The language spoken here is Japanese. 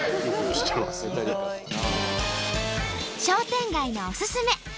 商店街のおすすめ。